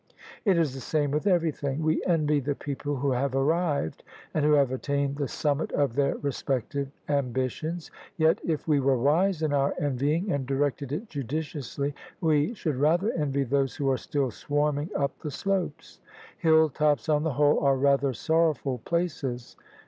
It is the same with every thing. We envy the people who have ' arrived,' and who have attained the summit of their respective ambitions; yet if we were wise in our envying and directed it judiciously, we should rather envy those who are still swarming up the slopes. Hill tops on the whole are rather sorrowful places."